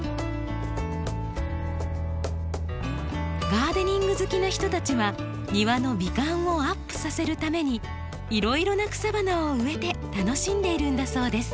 ガーデニング好きな人たちは庭の美観をアップさせるためにいろいろな草花を植えて楽しんでいるんだそうです。